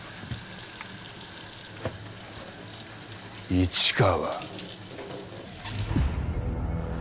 市川。